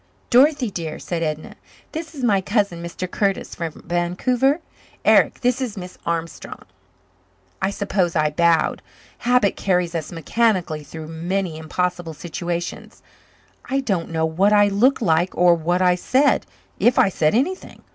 "Dorothy dear," said Edna, "this is my cousin, Mr. Curtis, from Vancouver. Eric, this is Miss Armstrong." I suppose I bowed. Habit carries us mechanically through many impossible situations. I don't know what I looked like or what I said, if I said anything.